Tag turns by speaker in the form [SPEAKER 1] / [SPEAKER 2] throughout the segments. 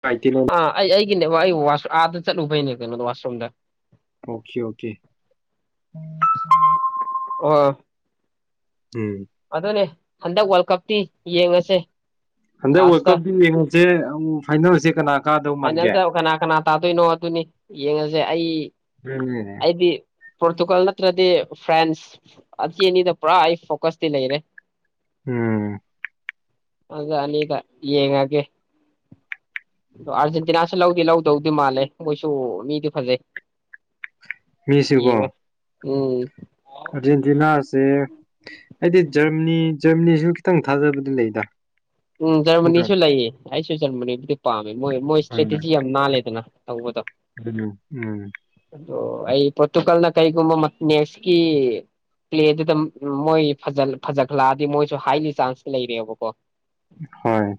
[SPEAKER 1] ꯀꯥꯏꯇꯤꯅ
[SPEAKER 2] ꯑꯥ ꯑꯩ ꯑꯩꯒꯤꯅꯦꯕ ꯑꯩ ꯋꯥꯁ ꯑꯥꯗ ꯆꯠꯂꯨꯕꯩꯅꯤ ꯀꯩꯅ‌ꯣꯗ ꯋꯥꯁꯔꯨꯝꯗ
[SPEAKER 1] ꯑꯣꯀꯦ ꯑꯣꯀꯦ [unintelligible]
[SPEAKER 2] ꯑ
[SPEAKER 1] ꯎꯝ
[SPEAKER 2] ꯑꯗꯨꯅꯦ ꯍꯟꯗꯛ ꯋꯥꯔꯜ ꯀꯞꯇꯤ ꯌꯦꯡꯉꯁꯦ
[SPEAKER 1] ꯍꯟꯗꯛ ꯋꯥꯔꯠ
[SPEAKER 2] ꯂꯥꯁꯇ
[SPEAKER 1] ꯀꯞꯗꯤ ꯌ‌ꯦꯡꯉ [unintelligible] ꯑꯝ ꯐꯥꯏꯅ‌ꯦꯜꯁꯦ ꯀꯅꯥ ꯀꯥꯗꯧ ꯃꯥꯟꯒꯦ
[SPEAKER 2] ꯐꯥꯏꯅꯦꯜꯗ ꯀꯅꯥ ꯀꯅꯥ ꯇꯥꯗꯣꯏꯅꯣ ꯑꯗꯨꯅꯤ ꯌꯦꯡꯉꯁꯦ ꯑꯩ
[SPEAKER 1] ꯎꯝꯅꯦ
[SPEAKER 2] ꯄꯣꯔꯇꯨꯒꯥꯜ ꯅꯠꯇ꯭ꯔꯗꯤ ꯐ꯭ꯔꯥꯟꯁ ꯑꯁꯤ ꯑꯅꯤꯗ ꯄꯨꯔꯥ ꯑꯩ ꯐꯣꯀꯁꯇꯤ ꯂꯩꯔꯦ
[SPEAKER 1] ꯎꯝ
[SPEAKER 2] ꯑꯗꯨ ꯑꯅꯤꯗ ꯌꯦꯡꯉꯒꯦ ꯑꯗꯣ ꯑꯥꯔꯖꯦꯟꯇꯤꯅꯥꯁꯨ ꯂꯧꯗꯤ ꯂꯧꯗꯧꯗꯤ ꯃꯥꯜꯂꯦ ꯃꯣꯏꯁꯨ ꯃꯤꯗꯤ ꯐꯖꯩ
[SPEAKER 1] ꯃꯤꯁꯨꯀꯣ
[SPEAKER 2] ꯌꯦꯡꯉꯦ ꯎꯝ
[SPEAKER 1] ꯑꯔꯖꯦꯟꯇꯤꯅꯥꯁꯦ ꯑꯩꯗꯤ ꯖꯔꯃꯅꯤ ꯖꯔꯃꯅꯤꯁꯨ ꯈꯤꯇꯪ ꯊꯥꯖꯕꯗꯤ ꯂꯩꯗ
[SPEAKER 2] ꯎꯝ
[SPEAKER 1] ꯅꯠꯇ꯭ꯔꯣ
[SPEAKER 2] ꯖꯔꯃꯅꯤꯁꯨ ꯂꯩꯌꯦ ꯑꯩꯁꯨ ꯁꯟꯕꯅꯤ ꯄꯥꯝꯃꯦ ꯃꯣꯏ ꯃꯣꯏ ꯏꯁꯇ꯭ꯔꯦꯇꯦꯖꯤ ꯌꯥꯝ ꯅꯥꯜꯂꯦꯗꯅ ꯇꯧꯕꯗꯣ
[SPEAKER 1] ꯎꯝ ꯎꯝ
[SPEAKER 2] ꯑꯗꯣ ꯑꯩ ꯄꯣꯔꯇꯨꯒꯜꯅ ꯀꯔꯤꯒꯨꯝꯕ ꯅꯦꯛꯁꯀꯤ ꯄ꯭ꯂꯦꯗꯨꯗ ꯃꯣꯏ ꯐꯖꯍꯠꯂꯛꯑꯗꯤ ꯃꯣꯏꯁꯨ ꯍꯥꯏꯂꯤ ꯆꯥꯟꯁ ꯂꯩꯔꯦꯕꯀꯣ
[SPEAKER 1] ꯍꯣꯏ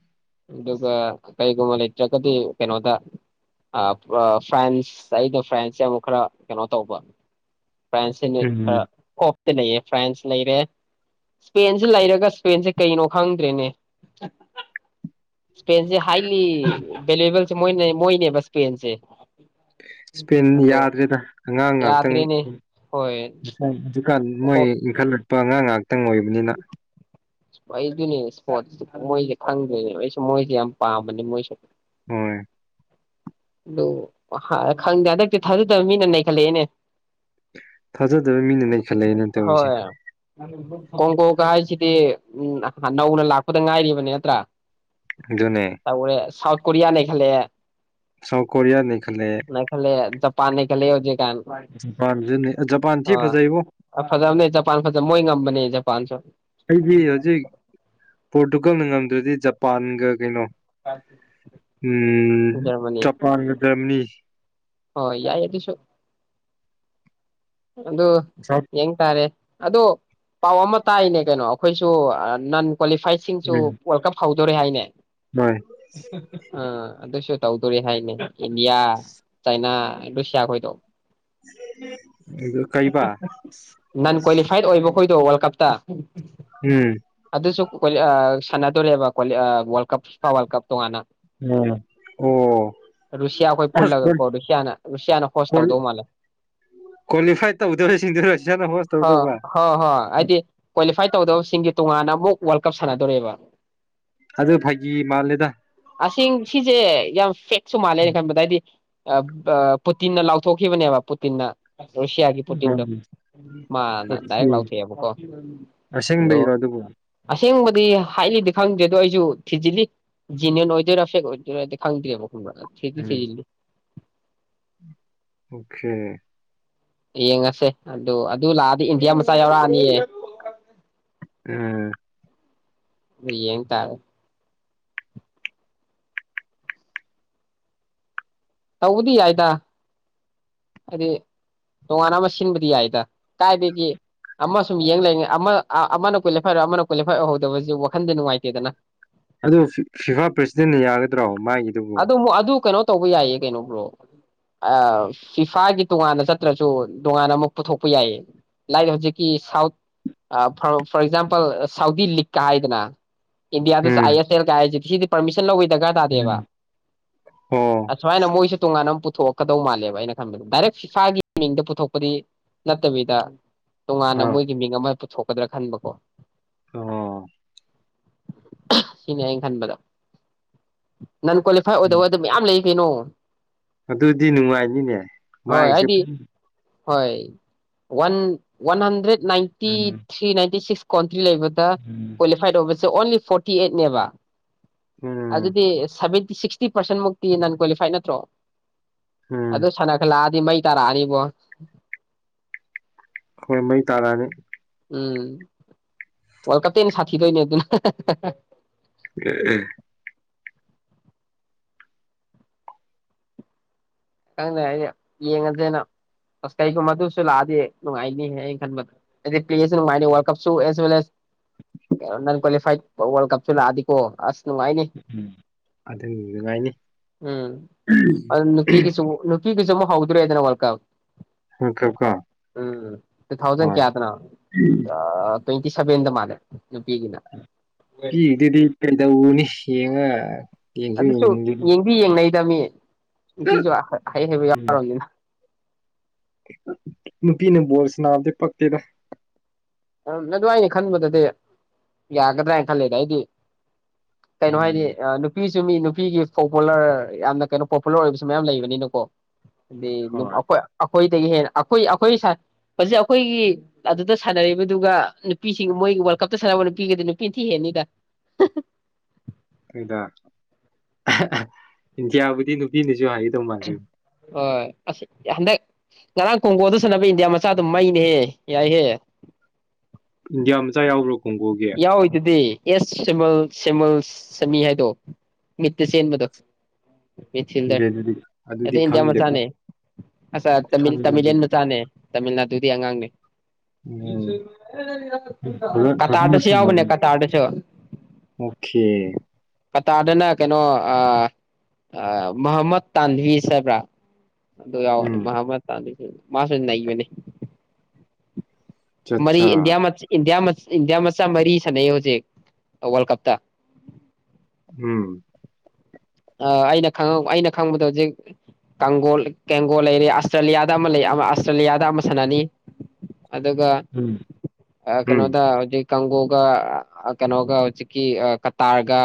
[SPEAKER 2] ꯑꯗꯨꯒ ꯀꯩꯒꯨꯝꯕ ꯂꯩꯇ꯭ꯔꯒꯗꯤ ꯀꯩꯅꯣꯗ ꯐ꯭ꯔꯥꯟꯁ ꯑꯩꯩꯅ ꯐ꯭ꯔꯦꯟꯁꯁꯦ ꯑꯃꯨꯛ ꯈꯔ ꯀꯩꯅꯣ ꯇꯧꯕ ꯐ꯭ꯔꯥꯟꯁꯤꯅ
[SPEAKER 1] ꯎꯝ
[SPEAKER 2] ꯈꯔ ꯀ‌ꯣ ꯂꯩꯌꯦꯦ ꯐ꯭ꯔꯥꯟꯁ ꯂꯩꯔꯦ ꯏꯁꯄꯦꯟꯁꯤꯦ ꯂꯩꯔꯒ ꯏꯁꯄꯦꯟꯁꯦ ꯀꯩꯅꯣ ꯈꯪꯗ꯭ꯔꯦꯅꯦ [unintelligible] ꯁꯄꯦꯁꯦ ꯍꯥꯏꯥꯏꯂꯤ ꯕꯦꯂꯕꯜ ꯃꯣꯏ ꯃꯣꯏꯅꯦꯕꯁꯄꯦꯟꯁꯦ
[SPEAKER 1] ꯏꯁꯄꯦꯟ ꯌꯥꯗ꯭ꯔꯦꯗ ꯑꯉꯥꯡ ꯉꯥꯛꯇꯪ
[SPEAKER 2] ꯌꯥꯗ꯭ꯔꯦꯅꯦ ꯍꯣꯏ
[SPEAKER 1] ꯀꯥꯟ
[SPEAKER 2] ꯍꯣ
[SPEAKER 1] ꯃꯣꯏ ꯏꯟꯈꯠꯂꯛꯄ ꯑꯉꯥꯡ ꯉꯥꯏꯍꯥꯛꯇꯪ ꯑꯣꯏꯕꯅꯤꯅ
[SPEAKER 2] ꯑꯩꯗꯨꯅꯦ ꯏꯁꯄꯣꯔꯠ ꯃꯣꯏꯁꯦ ꯈꯪꯗꯣꯏꯅꯦ ꯑꯩꯁꯨ ꯃꯣꯏꯁꯦ ꯌꯥꯝ ꯄꯥꯝꯕꯅꯦ ꯃꯣꯏꯁꯨ
[SPEAKER 1] ꯍꯣꯏ
[SPEAKER 2] ꯑꯗꯨ ꯈꯪꯗꯦ ꯍꯟꯗꯛꯇꯤ ꯊꯥꯖꯗꯕ ꯃꯤꯅ ꯅꯈꯠꯂꯛꯑꯦꯅꯦ
[SPEAKER 1] ꯊꯥꯖꯗꯕ ꯃꯤꯅ ꯂꯩ ꯈꯜꯂꯛꯑꯦꯅ ꯇꯧꯔꯤꯁꯦ
[SPEAKER 2] ꯀꯣꯟ ꯀꯣ ꯀꯥꯁꯤꯗꯤ ꯎꯝ ꯅꯧꯅ ꯂꯥꯛꯄꯗ ꯉꯥꯏꯔꯤꯕꯅꯦ ꯅꯠꯇ꯭ꯔꯥ
[SPEAKER 1] ꯑꯗꯨꯅꯦ
[SPEAKER 2] ꯇꯔ ꯁꯥꯥꯎ ꯀꯔꯤꯌꯥ ꯅꯈꯦꯂꯦ
[SPEAKER 1] ꯁꯥꯎꯊ ꯀꯣꯔꯤꯌꯥ ꯅꯈꯂꯦ
[SPEAKER 2] ꯄꯥꯅꯦ ꯀ ꯂꯩ ꯍꯧꯖꯤꯦ
[SPEAKER 1] ꯖꯄꯥꯟ ꯊꯤ ꯐꯖꯩꯕꯣ
[SPEAKER 2] ꯐꯖꯕꯅꯦ ꯖꯄꯥꯟ ꯐꯖꯕ ꯃꯣꯏ ꯉꯝꯕꯅꯦ ꯄꯥꯡ ꯁ
[SPEAKER 1] ꯑꯩꯗꯤ ꯍꯧꯖꯤꯛ ꯄꯣꯔꯇꯨꯒꯜꯅ ꯉꯝ ꯑꯗꯨꯗꯤ ꯖꯄꯥꯟꯒ ꯀꯩꯅꯣ ꯎꯝ
[SPEAKER 2] ꯖꯔꯃꯅꯤ
[SPEAKER 1] ꯖꯄꯥꯟ ꯃꯅꯤ
[SPEAKER 2] ꯍꯣꯏ ꯌꯥꯏ ꯌꯥꯗꯤꯁꯨ ꯑꯗꯨꯗ ꯌꯦꯡ ꯇꯥꯔꯦ ꯑꯗꯣ ꯄꯥꯎ ꯑꯃ ꯇꯥꯏꯅꯦ ꯀꯩꯅꯣ ꯑꯩꯈꯣꯏꯁꯨ ꯅꯟ ꯀ꯭ꯋꯥꯂꯤꯐꯥꯏꯁꯤꯡꯁꯨ
[SPEAKER 1] ꯎꯝ
[SPEAKER 2] ꯋꯥꯔꯜ ꯀꯞ ꯐꯥꯎ ꯗꯔꯦ ꯍꯥꯏꯅꯦ
[SPEAKER 1] ꯍꯣꯏ
[SPEAKER 2] ꯑ ꯑꯗ ꯇꯧꯗꯔꯤ ꯍꯥꯏꯅꯦ ꯏꯟꯗꯤꯌꯥ ꯆꯩꯥꯏꯅꯥ ꯔꯨꯁꯤꯌꯥ ꯈꯣꯏꯗꯣ
[SPEAKER 1] ꯑꯗꯨ ꯀꯩꯕꯥ
[SPEAKER 2] ꯅꯟ ꯀ꯭ꯋꯥꯂꯤꯐꯥꯏꯠ ꯑꯣꯏꯕ ꯑꯩꯈꯣꯏꯗꯣ ꯋꯥꯔꯜ ꯀꯞꯇ
[SPEAKER 1] ꯎꯝ
[SPEAKER 2] ꯑꯗꯁꯨ ꯁꯥꯟꯅꯗꯣꯔꯦꯕ ꯋꯥꯔꯜ ꯀꯞ ꯋꯥꯔꯜ ꯀꯞ ꯇꯣꯉꯥꯟꯅ
[SPEAKER 1] ꯎꯝ ꯑꯣ
[SPEAKER 2] ꯔꯨꯁꯤꯌꯥ ꯑꯩꯈꯣꯏ
[SPEAKER 1] ꯑꯁ
[SPEAKER 2] ꯄꯨꯜꯂꯒ ꯀꯣ ꯔꯨꯁꯤꯌꯥꯅ ꯔꯨꯁꯤꯌꯥꯅ ꯍꯣꯁ ꯇꯧꯗꯧ ꯃꯥꯜꯂꯦ
[SPEAKER 1] ꯀ꯭ꯋꯥꯂꯤꯐꯥꯏꯠ ꯇꯧꯗꯕꯁꯤꯡꯗꯨꯔ ꯁꯤꯅ ꯍꯣꯁ
[SPEAKER 2] ꯍꯣꯏ
[SPEAKER 1] ꯇꯧꯗꯧꯕ
[SPEAKER 2] ꯍꯣꯏ ꯍꯣꯏ ꯍꯥꯏꯗꯤ ꯀ꯭ꯋꯥꯂꯤꯐꯥꯏ ꯇꯧꯗꯕꯁꯤꯡꯒꯤ ꯇꯣꯉꯥꯟꯅ ꯑꯃꯛ ꯋꯥꯔꯜ ꯀꯞ ꯁꯥꯟꯅꯗꯣꯔꯦꯕ
[SPEAKER 1] ꯑꯗꯨ ꯐꯒꯤ ꯃꯥꯜꯂꯦꯗ
[SPEAKER 2] ꯤꯡ ꯁꯤꯁꯦ ꯌꯥꯝ ꯐ ꯁꯨ ꯃꯥꯜꯂꯦꯅꯦ ꯈꯟꯕꯗ ꯍꯥꯏꯏꯗꯤ ꯄꯨꯇꯤꯟꯅ ꯂꯥꯎꯊꯣꯛꯈꯤꯕꯅꯦꯕ ꯄꯨꯇꯤꯟꯅ ꯔꯨꯁꯤꯌꯥꯒꯤ ꯄꯣꯇꯤꯟꯗꯣ ꯃꯥꯅ
[SPEAKER 1] ꯑꯣꯀꯦ
[SPEAKER 2] ꯗꯥꯏꯔꯦꯛ ꯂꯥꯎꯊꯣꯛꯑꯦꯕꯀꯣ ꯑꯗꯣ
[SPEAKER 1] ꯑꯁꯦꯡꯕꯩꯔꯣ ꯑꯗꯨꯕꯨ
[SPEAKER 2] ꯑꯁꯦꯡꯕꯗꯤ ꯍꯥꯏꯂꯤꯗꯤ ꯈꯪꯗ꯭ꯔꯦ ꯑꯗꯨꯗꯣ ꯑꯩꯁꯨ ꯊꯤꯖꯤꯜꯂꯤ ꯖꯤꯅꯤꯌꯟ ꯑꯣꯏꯗꯣꯏꯔꯥ ꯐꯦꯛ ꯑꯣꯏꯗꯣꯏꯔꯥꯗꯤ ꯈꯪꯗ꯭ꯔꯦꯕ ꯊꯦꯇ ꯆ ꯏꯗꯤ
[SPEAKER 1] ꯑꯣꯦꯅꯦ
[SPEAKER 2] ꯌꯦꯡꯉꯁꯦ ꯑꯗꯨ ꯑꯗꯨ ꯂꯥꯛꯑꯗꯤ ꯏꯟꯗꯤꯌꯥ ꯃꯆꯥ ꯌꯥꯎꯔꯛꯑꯅꯤꯌꯦ
[SPEAKER 1] ꯎꯝ
[SPEAKER 2] ꯌꯦꯟ ꯇꯥꯔꯦ ꯇꯧꯕꯗꯤ ꯌꯥꯏꯗ ꯍꯥꯏꯗꯤ ꯇꯣꯉꯥꯟꯅ ꯑꯃ ꯁꯤꯟꯕꯗꯤ ꯌꯥꯏꯗ ꯀꯥꯏꯗꯒꯤ ꯑꯃ ꯁꯨꯝ ꯌꯦꯡ ꯂꯩꯉꯩ ꯑꯃ ꯑꯃꯅ ꯀꯣꯏꯜꯦꯞꯥꯏ ꯍꯥꯏꯔꯑꯣ ꯑꯃꯅ ꯀꯣꯏꯂꯦꯞꯥꯏꯔꯍꯧꯗꯕꯁꯨ ꯋꯥꯈꯟꯗꯤ ꯅꯨꯡꯉꯥꯏꯇꯦꯗꯅ
[SPEAKER 1] ꯑꯗꯨ ꯐꯤꯐꯥ ꯄ꯭ꯔꯁꯤꯗꯦꯟꯅ ꯌꯥꯒꯗ꯭ꯔꯣ ꯃꯥꯒꯤꯗꯨꯕꯨ
[SPEAKER 2] ꯇꯧꯕ ꯌꯥꯏꯌꯦ ꯀꯩꯅꯣ꯭ꯔꯣ ꯐꯤꯐꯥꯒꯤ ꯇꯣꯉꯥꯟꯅ ꯆꯠꯇ꯭ꯔꯁꯨ ꯇꯣꯉꯥꯟꯅ ꯑꯃꯨꯛ ꯄꯨꯊꯣꯛꯄ ꯌꯥꯏꯌꯦ ꯂꯥꯏ ꯍꯧꯖꯤꯛꯀꯤ ꯁꯥꯎꯠ ꯐꯣꯔ ꯑꯦꯛꯖꯥꯝꯄꯜ ꯁꯥꯎꯗꯤ ꯂꯤꯛꯀ ꯍꯥꯏꯗꯅ ꯏꯟꯗꯤꯌꯥ
[SPEAKER 1] ꯎꯝ
[SPEAKER 2] ꯑꯥꯏ ꯑꯦꯁ ꯑꯦꯜ ꯀꯥꯏꯦ ꯄꯃꯤꯟ ꯂꯧꯋ
[SPEAKER 1] ꯑꯣ
[SPEAKER 2] ꯁꯃꯥꯏꯅ ꯃꯣꯏꯁꯨ ꯇꯣꯡ ꯄꯨꯊꯣꯛꯀꯗꯧ ꯃꯥꯜꯂꯦꯕ ꯑꯩꯅ ꯈꯟꯕꯗ ꯗꯥꯏꯔꯦꯛ ꯏꯁꯥꯒꯤ ꯃꯤꯡꯗ ꯄꯨꯊꯣꯛꯄꯗꯤ ꯅꯠꯇꯕꯤꯗ ꯇꯣꯉꯥꯟꯅ
[SPEAKER 1] ꯑꯥ
[SPEAKER 2] ꯃꯣꯏꯒꯤ ꯃꯤꯡ ꯑꯃ ꯄꯨꯊꯣꯛ ꯄꯗ꯭ꯔ ꯈꯥꯟꯕꯀꯣ
[SPEAKER 1] ꯑꯣ
[SPEAKER 2] ꯁꯤꯅꯦ ꯑꯩꯅ ꯈꯟꯕꯗ ꯅꯟ ꯀ꯭ꯋꯥꯂꯤꯐꯥꯏ
[SPEAKER 1] ꯎꯝ
[SPEAKER 2] ꯑꯣꯏꯗꯕ ꯑꯗꯨꯝ ꯃꯌꯥꯝ ꯂꯩ ꯅꯣ
[SPEAKER 1] ꯑꯗꯨꯗꯤ ꯅꯨꯡꯉꯥꯏꯅꯤꯅꯦ
[SPEAKER 2] ꯍꯣꯏ
[SPEAKER 1] ꯃꯥꯏꯁꯦ
[SPEAKER 2] ꯍꯥꯏꯗꯤ ꯍꯣꯏ one one hundred ninety
[SPEAKER 1] um
[SPEAKER 2] three ninety ꯁꯤꯁ ꯂꯩ
[SPEAKER 1] ꯎꯝ
[SPEAKER 2] ꯀ꯭ꯋꯥꯂꯤꯐꯥꯏꯠ ꯑꯣꯏ ꯁꯦ ꯑꯣꯟꯂꯤ ꯐꯣꯔꯇꯤ ꯑꯩꯠꯅꯦꯕ ꯑ
[SPEAKER 1] ꯎꯝ
[SPEAKER 2] ꯑꯗꯨꯗꯤ ꯁꯕꯤ ꯁꯤꯛꯁꯇꯤ ꯄꯔꯁꯦꯟ ꯅꯟ ꯀ꯭ꯋꯥꯂꯤꯐꯥꯏ ꯅꯠꯇ꯭ꯔꯣ
[SPEAKER 1] ꯎꯝ
[SPEAKER 2] ꯑꯗ ꯁꯅ ꯈꯂ ꯑꯗꯨ ꯃꯩ ꯇꯥꯔꯛꯑꯅꯤꯕꯣ
[SPEAKER 1] ꯍꯣꯏ ꯃꯩ ꯇꯥꯔꯛꯑꯅꯤ
[SPEAKER 2] ꯎꯝ ꯋꯥꯔꯜ ꯀꯞꯇꯩꯅ ꯁꯥꯊꯤꯗꯣꯏꯅꯦ ꯑꯗꯨꯅ
[SPEAKER 1] ꯑ ꯑ
[SPEAKER 2] ꯈꯪꯗ ꯍꯥꯏꯗꯤ ꯌꯦꯡꯉꯁꯦꯅ ꯑꯁ ꯀꯩꯒꯨꯝꯕ ꯑꯗꯨꯁꯨ ꯂꯥꯛꯑꯗꯤ ꯅꯨꯡꯉꯥꯏꯅꯤ ꯍꯥꯏꯩꯅ ꯈꯟꯕꯗ ꯄ꯭ꯂꯦꯁꯨ ꯅꯨꯡꯉꯥꯏ ꯀꯁꯨ ꯑꯦꯁꯋ ꯅꯟ ꯀ꯭ꯋꯥꯂꯤꯐꯥꯏꯠ ꯋꯥꯔꯜ ꯀꯁꯨ ꯂꯥꯛꯑꯗꯤꯀꯣ ꯑꯁ ꯅꯨꯡꯉꯥꯏꯅꯤ
[SPEAKER 1] ꯎꯝ ꯑꯗꯨ ꯅꯨꯡꯉꯥꯏꯅꯤ
[SPEAKER 2] ꯂꯨꯛꯤꯒꯤꯤꯁꯖꯃ ꯍꯒꯣꯏ꯭ꯔꯦꯗꯅꯔꯜ ꯀꯞ
[SPEAKER 1] ꯍ ꯀ ꯀ
[SPEAKER 2] ꯎꯝ ꯇꯨ ꯊꯥꯎꯖꯟ
[SPEAKER 1] ꯍꯣꯏ
[SPEAKER 2] ꯀꯌꯥꯗꯅꯣ ꯇ꯭ꯋꯦꯟꯇꯤ ꯁꯕꯦꯟꯗ ꯃꯥꯜꯂꯦ ꯅꯨꯄꯤꯒꯤꯅ
[SPEAKER 1] ꯄꯤꯗꯨꯗꯤ ꯀꯩꯗꯧꯅꯤ ꯌꯦꯡꯉ ꯌꯦꯡꯁꯨ
[SPEAKER 2] ꯑꯗꯨꯁꯨ
[SPEAKER 1] ꯌꯦꯡꯅꯤꯡꯗꯦ
[SPEAKER 2] ꯌꯦꯡ ꯌꯦ ꯗꯃꯤ ꯤꯁꯨ ꯍꯥꯏ ꯍꯥꯏꯦꯕ ꯌꯥꯔ ꯑꯣꯏꯒꯦꯅ
[SPEAKER 1] ꯃꯄꯤꯅ ꯣꯣꯔ ꯁꯅꯥꯗ ꯄꯇꯩꯗ
[SPEAKER 2] ꯑꯗꯨꯋꯥꯏꯅꯦ ꯈꯟꯕꯗꯗꯤ ꯌꯥꯒꯗ꯭ꯔꯅ ꯈꯜꯂꯦꯗ ꯑꯩꯗꯤ ꯀꯩꯅꯣ ꯍꯥꯏꯗꯤ
[SPEAKER 1] ꯎꯝ
[SPEAKER 2] ꯅꯨꯄꯤ ꯁ ꯃꯤ ꯅꯨꯄꯤꯒꯤ ꯄꯣꯄꯨꯂꯔ ꯌꯥꯝꯅ ꯀꯩꯅꯣ ꯄꯣꯄꯨꯂꯔ ꯑꯣꯏꯕꯁꯨ ꯃꯌꯥꯝ ꯂꯩꯕꯅꯤꯅꯀꯣ ꯂꯩ
[SPEAKER 1] ꯍꯣꯏ
[SPEAKER 2] ꯑꯩꯈꯣꯏꯗꯒꯤ ꯍꯦꯟꯅ ꯑꯩꯈꯣꯏ ꯑꯩꯈꯣꯏ ꯑꯩꯈꯣꯏꯒꯤ ꯑꯗꯨꯗ ꯁꯥꯟꯅꯔꯤꯕ ꯑꯗꯨꯒ ꯅꯨꯄꯤꯁꯤꯡ ꯃꯣꯏꯒꯤ ꯋꯥꯔꯜ ꯀꯞꯇ ꯁꯥꯟꯅꯕ ꯅꯨꯄꯤꯒꯗꯤ ꯅꯨꯄꯤꯅ ꯊꯤ ꯍꯦꯟꯅꯤꯗ
[SPEAKER 1] ꯗ ꯏꯟꯗꯤꯌꯥꯕꯨꯗꯤ ꯅꯨꯄꯤꯅꯁꯨ ꯍꯥꯏ
[SPEAKER 2] ꯍ ꯑꯁ ꯍꯟꯗꯛ ꯉꯔꯥꯡ ꯈꯣꯡꯀꯣꯜꯗ ꯁꯥꯟꯅꯕ ꯏꯟꯗꯤꯌꯥ ꯃꯆꯥꯗꯨ ꯃꯩꯅꯦꯍꯦ ꯌꯥꯏꯍꯦ
[SPEAKER 1] ꯏꯟꯗꯤꯌꯥ ꯃꯆꯥ ꯌꯥꯎꯕ꯭ꯔꯣ ꯀꯣꯡꯒꯣꯒꯤ
[SPEAKER 2] ꯌꯥꯎ ꯍꯣꯏꯇꯗꯤ ꯌꯦꯁ ꯁꯤꯃꯜ ꯁꯃꯜ ꯁꯃꯤ ꯍꯥꯏꯗꯣ ꯃꯤꯠꯇ ꯆꯦꯟꯕꯗꯣ ꯁꯤꯜꯗ
[SPEAKER 1] ꯏꯟꯗꯤꯌꯥꯗꯨꯗꯤ ꯑꯗꯨꯗꯤ
[SPEAKER 2] ꯏꯟꯗꯤꯌꯥ ꯃ
[SPEAKER 1] ꯈꯪꯗꯦꯕ
[SPEAKER 2] ꯆꯅꯦꯦ ꯑ ꯇꯃꯤ
[SPEAKER 1] ꯈꯪꯗꯦ
[SPEAKER 2] ꯇꯃꯤꯂꯤꯟ ꯆꯅꯦ ꯇꯃꯤꯜꯅꯥꯗꯨꯗꯤ ꯑꯉꯥꯡꯅꯤ
[SPEAKER 1] ꯎꯝ
[SPEAKER 2] [unintelligible]
[SPEAKER 1] ꯑꯣꯀꯦ
[SPEAKER 2] ꯀꯇꯥꯗꯅ ꯀꯩꯅꯣ ꯃꯣꯍꯝꯃꯠ ꯇꯥꯟꯕꯤꯁ ꯍꯥꯏꯕ꯭ꯔꯥ ꯑꯗꯨꯗ ꯌꯥꯎꯅꯦ ꯃꯃ ꯇꯥꯅꯤ ꯃꯥꯁꯥꯛ ꯃꯅꯦꯅꯤ ꯃꯔꯤ ꯏꯟꯗꯤꯌꯥ ꯃ ꯏꯟꯗꯤꯌꯥ ꯃ ꯏꯟꯗꯤꯌꯥ ꯃꯆꯥ ꯃꯔꯤ ꯁꯥꯟꯅꯩ ꯍꯧꯖꯤꯛ ꯋꯥꯔꯜ ꯀꯞꯇ
[SPEAKER 1] ꯎꯝ
[SPEAKER 2] ꯑꯩꯅ ꯑꯩꯅ ꯈꯪꯕꯗ ꯍꯧꯖꯤꯛꯒꯣ ꯀꯦꯡꯒꯣꯜ ꯂꯩꯔꯦ ꯑꯁꯇ꯭ꯔꯦꯂꯤꯌꯥꯗ ꯑꯃ ꯑꯁꯇ꯭ꯔꯦꯂꯤꯌꯥꯗ ꯑꯃ ꯁꯥꯟꯅꯅꯤ ꯑꯗꯨꯒ ꯀꯩꯅꯣꯗ ꯍꯧꯖꯤꯛ ꯀꯥꯡꯒꯣꯒ ꯀꯩꯅꯣꯒ ꯍꯧꯖꯤꯛꯀꯤ ꯀꯇꯥꯔꯒ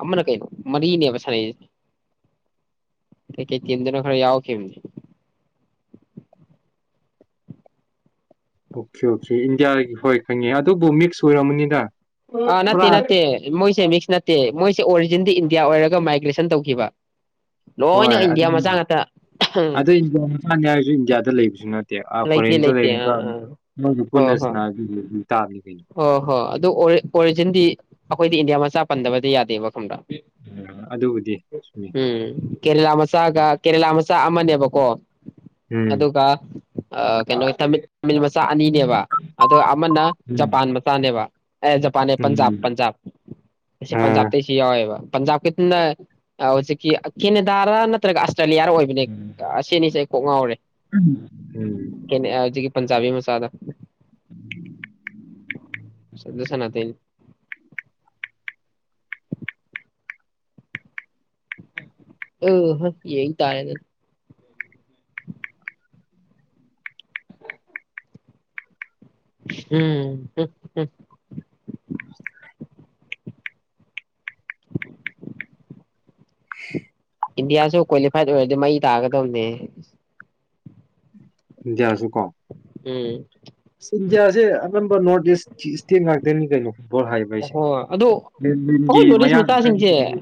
[SPEAKER 2] ꯑꯃꯅ ꯀꯩꯅꯣ ꯃꯔꯤꯅꯦꯕ ꯁꯅꯩꯁꯦ ꯀꯩꯀꯩ ꯇꯤꯗꯨꯅ ꯈꯔ ꯌꯥꯎꯅꯦ
[SPEAKER 1] ꯑꯣꯀꯦ ꯑꯣꯀꯦ ꯏꯟꯗꯤꯌꯥꯒꯤ ꯍꯣꯏ ꯈꯪꯉꯦ ꯑꯗꯨꯕꯨ ꯃꯤꯛꯁ ꯑꯣꯏꯔꯝꯃꯅꯤꯅ
[SPEAKER 2] ꯑ ꯅꯠꯇꯦ ꯅꯠꯇꯦ ꯃ ꯃꯤꯛꯁ ꯅꯠꯇꯦ ꯃꯣꯏꯁꯦ ꯑꯣꯔꯤꯖꯤꯟꯗꯤ ꯏꯟꯗꯤꯌꯥ ꯑꯣꯏꯔꯒ ꯃꯥꯏꯒ꯭ꯔꯦꯁꯟ ꯇꯧꯈꯤꯕ ꯂꯣꯏꯅ
[SPEAKER 1] ꯍꯣꯏ
[SPEAKER 2] ꯏꯟꯗꯤꯌꯥ
[SPEAKER 1] ꯑꯗꯨꯝ
[SPEAKER 2] ꯃꯆꯥ ꯉꯥꯛꯇ
[SPEAKER 1] ꯑꯗꯨ ꯏꯟꯗꯤꯌꯥ ꯃꯁꯥꯅꯤ ꯍꯥꯏꯔꯁꯨ ꯏꯟꯗꯤꯌꯥꯗ ꯂꯩꯕꯁꯤꯅ
[SPEAKER 2] ꯂꯩꯇꯦ ꯂꯩꯇꯦ
[SPEAKER 1] ꯐꯔꯇ
[SPEAKER 2] ꯑꯥ
[SPEAKER 1] ꯃ ꯀꯅꯁꯅ
[SPEAKER 2] ꯑꯣ ꯍꯣ ꯑꯗꯨ ꯑꯣꯔꯤꯖꯤꯟꯗꯤ ꯑꯩꯈꯣꯏꯗꯤ ꯏꯟꯗꯤꯌꯥ ꯆꯥ ꯄꯟꯗꯕꯗꯤ ꯌꯥꯗꯦꯕ ꯋꯥꯈꯪꯗꯥ
[SPEAKER 1] ꯎꯝ, ꯑꯗꯨꯕꯨꯗꯤ ꯆꯨꯝꯃꯤ.
[SPEAKER 2] ꯎꯝ ꯀꯦꯔꯂ ꯃꯁꯥꯒ ꯀꯔ ꯃꯁ ꯆꯥꯛ ꯑꯃꯅꯦꯕꯀꯣ
[SPEAKER 1] ꯎꯝ.
[SPEAKER 2] ꯑꯗ ꯀ ꯑ ꯀꯩꯅꯣ ꯇꯃꯤꯜ ꯇꯃꯤꯜ ꯃꯆꯥ ꯑꯅꯤꯅꯦꯕ ꯑꯗ ꯑꯃꯅ
[SPEAKER 1] ꯎꯝ.
[SPEAKER 2] ꯖꯄꯥꯟ ꯃꯆꯥꯅꯦꯕ ꯑꯦ ꯖꯄꯥꯟꯅꯦ ꯄꯟꯖꯥꯕ
[SPEAKER 1] ꯎꯝ,
[SPEAKER 2] ꯄꯟꯖꯥꯕ ꯑꯁꯤ
[SPEAKER 1] ꯑꯥ.
[SPEAKER 2] ꯄꯟꯖꯥꯕꯇꯁꯨ ꯌꯥꯎꯋꯦꯕ ꯄꯟꯖꯥꯕ ꯀꯅꯁꯦ ꯀꯅꯦꯗ ꯅꯠꯇ꯭ꯔꯒ ꯆꯂꯤꯌꯥꯔ ꯑꯣꯏꯕꯅꯦ
[SPEAKER 1] ꯎꯝ.
[SPEAKER 2] ꯑꯁꯤꯅꯤꯁꯦ ꯑꯩ ꯀꯣꯛ ꯉꯥꯎꯔꯦ
[SPEAKER 1] ꯎꯝ,
[SPEAKER 2] ꯍꯧꯖꯤꯛꯀꯤ ꯄꯟꯖꯥꯕꯤ ꯃꯆꯥꯗ
[SPEAKER 1] [unintelligible]
[SPEAKER 2] ꯁꯗꯁꯅꯥꯇ ꯑ ꯍ ꯌꯦ ꯇꯥꯔꯦꯅꯦ ꯎꯝ ꯏꯟꯗꯤꯌꯥꯁꯨ ꯀ꯭ꯋꯥꯂꯤꯐꯥꯏꯠ ꯑꯣꯏꯔꯗꯤ ꯃꯩ ꯇꯥꯒꯗꯧꯅꯦ
[SPEAKER 1] ꯌꯥꯌꯥꯁꯨ ꯀꯣ
[SPEAKER 2] ꯎꯝ
[SPEAKER 1] ꯏꯟꯗꯤꯌꯥꯁꯦ ꯑꯅꯝꯕ ꯅꯣꯔꯠ ꯏꯁ ꯏꯁꯇꯦꯠ ꯉꯇꯅꯤ ꯀꯩꯅꯣ ꯐꯨꯠꯕꯣꯜ ꯍꯥꯏꯕ ꯍꯥꯏꯁꯦ.
[SPEAKER 2] ꯑꯣꯍꯣꯏ ꯑꯗꯨ
[SPEAKER 1] ꯂꯦꯟꯗꯤꯟꯒꯤ
[SPEAKER 2] ꯑꯩꯈꯣꯏ ꯅꯣꯔꯤꯁ
[SPEAKER 1] ꯃꯌꯥꯡ
[SPEAKER 2] ꯃꯆꯥꯁꯤꯡꯁꯦ
[SPEAKER 1] ꯎꯝ,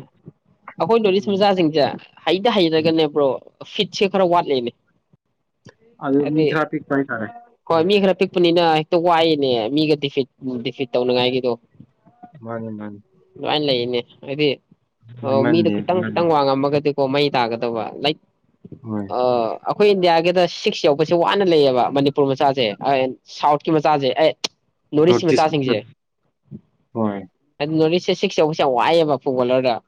[SPEAKER 2] ꯑꯩꯈꯣꯏ ꯅꯣꯔꯤꯁ
[SPEAKER 1] ꯎꯝ.
[SPEAKER 2] ꯃꯆꯥꯁꯤꯡꯁꯦ ꯍꯩꯇ ꯍꯩꯔꯒꯅꯦꯕ꯭ꯔꯣ ꯐꯤꯠꯁꯦ ꯈꯔ ꯋꯥꯠꯂꯤꯅꯦ
[SPEAKER 1] ꯑꯗꯨ ꯃꯤ
[SPEAKER 2] ꯍꯥꯏꯗꯤ
[SPEAKER 1] ꯈꯔ ꯄꯤꯛꯄ ꯍꯥꯏꯇꯥꯔꯦ
[SPEAKER 2] ꯍꯣꯏ
[SPEAKER 1] ꯎꯝ
[SPEAKER 2] ꯃꯤ ꯈꯔ ꯄꯤꯛꯄꯅꯤꯅ ꯋꯥꯏꯅꯦ ꯃꯤꯒ ꯗꯤꯐꯤꯠ ꯗꯤꯐꯤꯠ ꯇꯧꯅꯉꯥꯏꯒꯤꯗꯣ
[SPEAKER 1] ꯃꯥꯅꯤ ꯃꯥꯅꯤ
[SPEAKER 2] ꯑꯗꯨꯗꯤ ꯑꯣ ꯃꯤꯗꯣ
[SPEAKER 1] ꯃꯟꯗꯦ
[SPEAKER 2] ꯈꯤꯇꯪ
[SPEAKER 1] ꯃꯥꯅꯤ
[SPEAKER 2] ꯈꯤꯇꯪ ꯋꯥꯡꯉꯝꯃꯒꯗꯤ ꯑꯣ ꯃꯩ ꯇꯥꯒꯗꯕ ꯂꯥꯏꯛ
[SPEAKER 1] ꯍꯣꯏ
[SPEAKER 2] ꯑꯥ ꯑꯩꯈꯣꯏ ꯏꯟꯗꯤꯌꯥꯒꯤꯗ ꯁꯤꯛꯁ ꯌꯧꯕꯁꯦ ꯋꯥꯅ ꯂꯩꯌꯦꯕ ꯃꯅꯤꯄꯨꯔ ꯃꯆꯥꯁꯦ ꯁꯥꯎꯠꯀꯤ ꯃꯆꯥꯁꯦ ꯑꯦ ꯅꯣ ꯏꯁ ꯁꯤ
[SPEAKER 1] ꯅꯣꯇꯤꯁ
[SPEAKER 2] ꯃꯆꯥꯁꯤꯡꯁꯦ
[SPEAKER 1] ꯍꯣꯏ
[SPEAKER 2] ꯁꯤꯁ ꯁꯤꯛꯁꯁꯤ ꯑꯣ ꯄꯩꯁ ꯋꯥꯛꯏꯌꯦꯕ ꯐꯨꯠꯕꯣꯂꯔꯗꯣ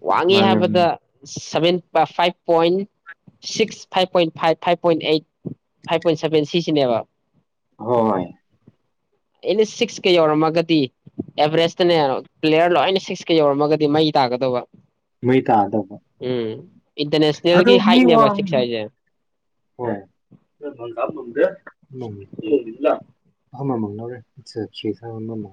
[SPEAKER 2] ꯋꯥꯡꯉꯤ
[SPEAKER 1] ꯃꯥꯅꯤ ꯃꯥꯅꯤ
[SPEAKER 2] ꯍꯥꯏꯕꯗ seven five point six five point five five point eight five point seven ꯁꯤꯁꯤꯅꯦꯕ
[SPEAKER 1] ꯍꯣꯏꯣꯏ
[SPEAKER 2] ꯑꯦꯅꯤ ꯁꯤꯛꯁꯀ ꯌꯧꯔꯝꯃꯒꯗꯤ ꯑꯦꯚꯔꯦꯁꯇꯅꯦ ꯄ꯭ꯂꯦꯌꯔ ꯂꯣꯏꯅ ꯁꯤꯛꯁꯀ ꯌꯧꯔꯝꯃꯒꯗꯤ ꯃꯩ ꯇꯥꯒꯗꯕ
[SPEAKER 1] ꯃꯩ ꯇꯥꯗꯧꯕ ꯑꯣ
[SPEAKER 2] ꯏꯟꯇꯔꯅꯦꯁꯅꯦꯜꯒꯤ ꯍꯥꯏꯠꯅꯦꯕ ꯁꯤꯛꯁ ꯍꯥꯏꯁꯦ
[SPEAKER 1] ꯋꯥꯗ
[SPEAKER 2] ꯎꯝ
[SPEAKER 1] ꯑ ꯃꯥ ꯃꯉꯣꯔ ꯏ ꯃ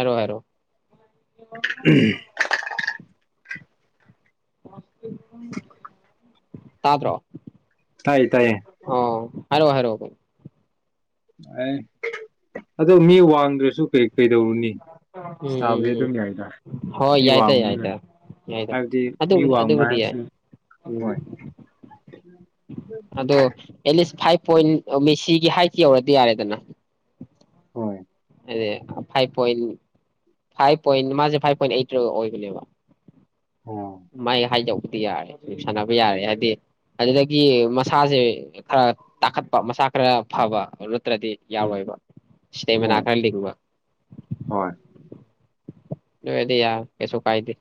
[SPEAKER 2] ꯑꯔꯣꯏ ꯑꯔ
[SPEAKER 1] ꯎꯝ
[SPEAKER 2] ꯇꯥꯕ꯭ꯔꯣ
[SPEAKER 1] ꯇꯥꯏꯌꯦ ꯇꯥꯏꯌꯦ
[SPEAKER 2] ꯑꯣ ꯍꯥꯏꯔꯣ ꯍꯥꯏꯔꯣ ꯍ
[SPEAKER 1] ꯑꯦ ꯑꯗꯣ ꯃꯤ ꯋꯥꯡꯗ꯭ꯔꯁꯨ ꯀꯩ ꯀꯩꯗꯧꯔꯨꯅꯤ
[SPEAKER 2] ꯎꯝ ꯎꯝ
[SPEAKER 1] ꯁꯥꯕꯗꯤ ꯑꯗꯨꯝ ꯌꯥꯏꯗ
[SPEAKER 2] ꯎꯝ ꯍꯣꯏ
[SPEAKER 1] ꯃꯤ
[SPEAKER 2] ꯌꯥꯏ ꯇ ꯌꯥꯏ
[SPEAKER 1] ꯋꯥꯡꯕꯅꯤꯅ
[SPEAKER 2] ꯇ ꯌꯥꯏ
[SPEAKER 1] ꯍꯥꯏꯕꯗꯤ ꯃꯤ
[SPEAKER 2] ꯑꯗꯨꯕꯨꯗꯤ
[SPEAKER 1] ꯋꯥꯡꯕ
[SPEAKER 2] ꯑꯗꯨꯕꯨꯗꯤ ꯌꯥꯏ
[SPEAKER 1] ꯍꯥꯏꯁꯤ
[SPEAKER 2] ꯎꯝ
[SPEAKER 1] ꯍꯣꯏ
[SPEAKER 2] ꯑꯗꯣ ꯐꯥꯏꯚ ꯄꯣꯏꯟ ꯃꯤꯁꯤꯒꯤ ꯍꯥꯏꯠ ꯌꯧꯔꯗꯤ ꯌꯥꯔꯦꯗꯅ
[SPEAKER 1] ꯍꯣꯏ
[SPEAKER 2] ꯑꯗꯨꯗꯦ ꯐꯥꯏꯕ ꯄꯣꯏꯟ ꯐꯥꯏꯚ ꯄꯣꯏꯟ ꯃꯥꯁꯦ ꯐꯥꯏꯚ ꯄꯣꯏꯟ ꯑꯩꯠꯇꯒ ꯑꯣꯏꯕꯅꯦꯕ
[SPEAKER 1] ꯍꯣꯏ
[SPEAKER 2] ꯃꯥꯏ ꯍꯥꯏꯗꯧꯕꯗꯤ ꯌꯥꯔꯦ ꯁꯥꯟꯅꯕ ꯌꯥꯔꯦ ꯍꯥꯏꯕꯗꯤ ꯑꯗꯨꯗꯒꯤ ꯃꯁꯥꯁꯦ ꯈꯔ ꯇꯥꯈꯠꯄ ꯃꯁꯥ ꯈꯔ ꯐꯕ ꯑꯗꯨ ꯠꯇ꯭ꯔꯗꯤ
[SPEAKER 1] ꯎꯝ
[SPEAKER 2] ꯌꯥꯎꯋꯣꯏꯕ
[SPEAKER 1] ꯍꯣꯏ
[SPEAKER 2] ꯏꯁꯇꯦꯃꯤꯅꯥ ꯈꯔ ꯂꯤꯡꯕ
[SPEAKER 1] ꯍꯣꯏ
[SPEAKER 2] ꯑꯗꯨꯗꯤ ꯌꯥ ꯀꯩꯁꯨ ꯀꯥꯏꯗ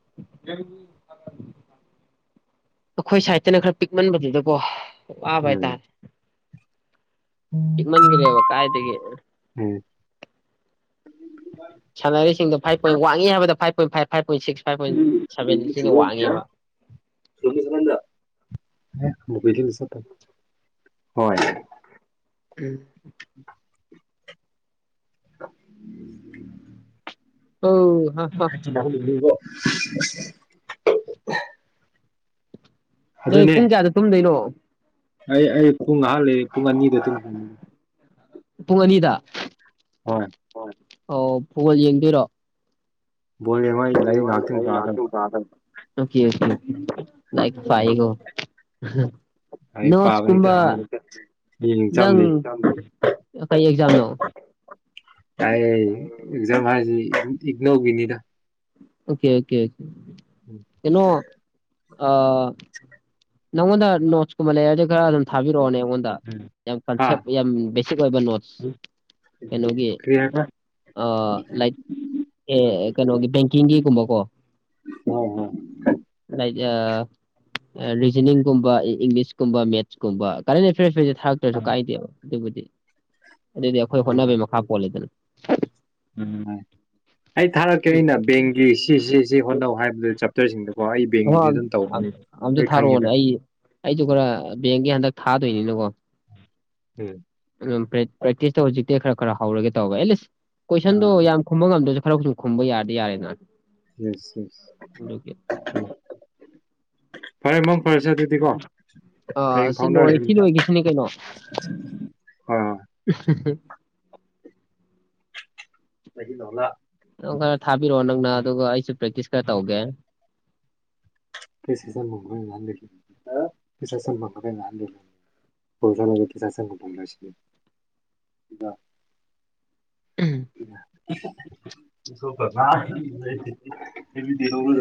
[SPEAKER 2] ꯑꯩꯈꯣꯏ ꯁꯥꯏꯗꯠꯇꯅ ꯈꯔ ꯄꯤꯛꯃꯟꯕꯗꯨꯗꯀꯣ ꯋꯥꯕꯥꯏ
[SPEAKER 1] ꯎꯝ
[SPEAKER 2] ꯇꯥꯔꯦ ꯏꯤꯛꯃꯟꯒꯔꯤꯦꯕ ꯀꯥꯏ ꯇꯒꯤ
[SPEAKER 1] ꯎꯝ
[SPEAKER 2] ꯁꯥꯟꯅꯔꯤꯁꯤꯡꯣ ꯐꯥꯏꯚ ꯄꯣꯏꯟ ꯋꯥꯡꯉꯤ ꯍꯥꯏꯕꯗ ꯐꯥꯏꯚ ꯣꯏ ꯐꯥꯏ ꯐꯥꯏ
[SPEAKER 1] ꯎꯝ ꯆ ꯁ ꯆꯒꯗ ꯁ ꯍꯣꯏ
[SPEAKER 2] ꯎꯝ ꯍ ꯍ ꯍ ꯅꯃꯤꯠ
[SPEAKER 1] ꯑꯗꯨꯅꯦ
[SPEAKER 2] ꯄꯨꯡ ꯀꯌꯥꯗ ꯇꯨꯝꯗꯣꯏꯅꯣ
[SPEAKER 1] ꯑꯩ ꯑꯩ ꯄꯨꯡ ꯑꯍꯥꯟ ꯂꯩꯦ ꯄꯨꯡ ꯑꯅꯤꯗ ꯑꯗꯨꯝ
[SPEAKER 2] ꯄꯨꯡ ꯑꯅꯤꯗ ꯍꯣꯏ ꯑꯣ ꯐꯨꯒꯣꯜ ꯌꯦꯡꯗꯣꯏꯔꯣ
[SPEAKER 1] ꯕꯣꯜ ꯌꯦꯡꯕ ꯂꯥꯏꯔꯤꯛ ꯉꯥꯏꯍꯥꯛꯇꯪ
[SPEAKER 2] ꯂꯥꯛ
[SPEAKER 1] ꯄꯥꯒꯗꯕ
[SPEAKER 2] ꯎꯝ ꯂꯥꯏꯛ ꯄꯥꯏꯣ
[SPEAKER 1] ꯂꯥꯏꯔꯤꯛ ꯄꯥꯕ ꯅꯠꯇꯦ
[SPEAKER 2] ꯅꯣꯠꯁꯀꯨꯝꯕ
[SPEAKER 1] ꯌꯦꯡ
[SPEAKER 2] ꯅꯪ
[SPEAKER 1] ꯆꯝꯅꯤ
[SPEAKER 2] ꯀꯩ ꯑꯦꯛꯖꯥꯝꯅꯣ
[SPEAKER 1] ꯏꯒꯅꯣꯧꯒꯅꯤꯗ
[SPEAKER 2] ꯑꯣꯀꯦ ꯑꯣꯀꯦ ꯑꯣꯦ ꯀꯩꯅꯣ ꯑ ꯅꯉꯗ ꯀꯨꯝꯕ ꯂꯦꯌꯔꯁꯦ ꯈꯔ ꯑꯗꯨꯝ ꯊꯥꯕꯤꯔꯛꯑꯣꯅꯦ ꯑꯩꯉꯣꯟꯗ ꯌꯥꯝ
[SPEAKER 1] ꯍꯥ
[SPEAKER 2] ꯀꯟꯁꯦꯞ ꯌꯥꯝ ꯕꯦꯁꯤꯛ ꯑꯣꯏꯕ ꯅꯣꯠꯁ ꯀꯩꯅꯣꯒꯤ
[SPEAKER 1] ꯀꯔꯤ ꯍꯥꯏꯕ
[SPEAKER 2] ꯂꯥꯏꯠ ꯑꯦ ꯀꯩꯅꯣꯒꯤ ꯕꯦꯡꯀꯤꯡꯒꯤꯒꯨꯝꯕꯀꯣ
[SPEAKER 1] ꯍꯣꯏ
[SPEAKER 2] ꯑ ꯔꯤꯖꯅꯤꯡꯒꯨꯝꯕ ꯏꯪꯂꯤꯁꯀꯨꯝꯕ ꯃꯦꯠꯁꯀꯨꯝꯕ ꯀꯔꯦꯟ ꯑꯦꯐꯤꯔꯁ ꯊꯇꯧꯁꯨ ꯀꯥꯏꯗ ꯑꯗꯨꯕꯨꯗꯤ ꯑꯗꯨꯗꯤ ꯑꯩꯈꯣꯏ ꯍꯣꯠꯅꯕꯩ ꯃꯈꯥ ꯄꯣꯜꯜꯂꯤꯦꯗꯅ
[SPEAKER 1] ꯎꯝ ꯁꯤ ꯍꯣꯠꯅꯧ ꯍꯥꯏꯕꯗꯨ ꯆꯦꯞꯇꯔꯁꯤꯡꯗꯀꯣ ꯑꯩ
[SPEAKER 2] ꯍ
[SPEAKER 1] ꯕꯦꯡꯒꯤꯗꯤ ꯑꯗꯨꯝ ꯇꯧꯕꯅꯤ
[SPEAKER 2] ꯑꯝꯁꯨ
[SPEAKER 1] ꯂꯣꯏ
[SPEAKER 2] ꯊꯥꯔꯛꯑꯣꯅꯦ
[SPEAKER 1] ꯈꯪꯉꯤꯗ
[SPEAKER 2] ꯑꯩ ꯑꯩꯁꯨ ꯈꯔ ꯕꯦꯡꯒꯤ ꯍꯟꯗꯛ ꯊꯥꯗꯣꯏꯅꯤꯅꯀꯣ
[SPEAKER 1] ꯎꯝ
[SPEAKER 2] ꯄꯦꯛꯇꯤꯁ ꯇ ꯍꯧꯖꯤ ꯈꯔ ꯈꯔ ꯍꯧꯔꯒ ꯇꯧꯕꯂꯁ ꯀꯣꯏꯁꯟꯗꯣ
[SPEAKER 1] ꯑꯥ
[SPEAKER 2] ꯌꯥꯝ ꯈꯨꯝꯕ ꯉꯝꯗꯣꯏꯁꯨ ꯈꯔꯁꯨꯨꯝ ꯈꯨꯝꯕ ꯌꯥꯔꯗꯤ ꯌꯥꯔꯦꯗ
[SPEAKER 1] ꯌꯦꯁ ꯌꯦꯁ ꯎꯝ ꯐꯔꯦ ꯃꯪ ꯐꯔꯁꯦ ꯑꯗꯨꯗꯤꯀꯣ
[SPEAKER 2] ꯑ
[SPEAKER 1] ꯍꯌꯦꯡ
[SPEAKER 2] ꯁꯤ
[SPEAKER 1] ꯐꯥꯎꯅꯔꯁꯤ
[SPEAKER 2] ꯂꯣꯏꯁꯤ ꯂꯣꯏꯒꯤꯁꯤꯅꯤ ꯀꯩꯅꯣ
[SPEAKER 1] ꯍꯣꯏ ꯃ ꯇꯣꯂ
[SPEAKER 2] ꯅꯪ ꯈꯔ ꯊꯥꯕꯤꯔꯛꯑꯣ ꯅꯪꯅ ꯑꯗꯨꯒ ꯑꯩꯁꯨ ꯄ꯭ꯔꯦꯛꯇꯤꯁ ꯈꯔ ꯇꯧꯒꯦ
[SPEAKER 1] ꯀꯁ ꯆ ꯌꯥ ꯐꯩꯤꯁꯥ ꯁꯪꯕꯕ ꯂꯩꯣꯁꯦ ꯐꯩꯁꯥ ꯁꯪꯕꯨ ꯐꯣꯡꯒꯁꯤ ꯀꯅ ꯑ ꯇꯁꯨꯣ ꯐꯅꯥ ꯗꯤ